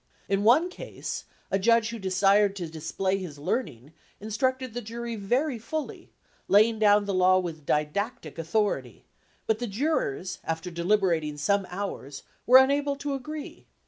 In one case a judge who desired to display his learning instructed the jury very fully, laying down the law with didactic authority; but the jurors, after deliberating some hours, were unable to agree.